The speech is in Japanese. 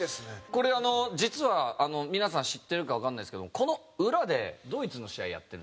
これ実は皆さん知ってるかわかんないですけどもこの裏でドイツの試合やってるんですよね。